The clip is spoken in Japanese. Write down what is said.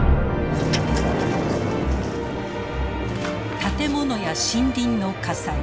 建物や森林の火災。